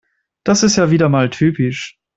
Das ist ja wieder mal typisch.